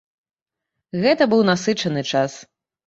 Гэта быў насычаны час.